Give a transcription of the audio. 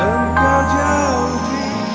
aku gak salah